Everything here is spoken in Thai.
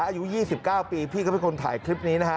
อายุ๒๙ปีพี่ก็เป็นคนถ่ายคลิปนี้นะฮะ